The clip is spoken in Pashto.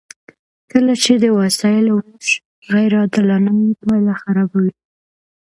کله چې د وسایلو ویش غیر عادلانه وي پایله خرابه وي.